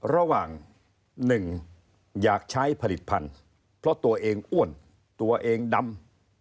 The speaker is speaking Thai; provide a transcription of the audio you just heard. ระหว่าง๑อยากใช้ผลิตภัณฑ์เพราะตัวเองอ้วนตัวเองดำ